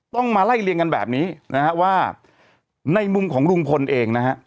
ต้องมาไล่เรียงกันแบบนี้นะฮะว่าในมุมของลุงพลเองนะฮะ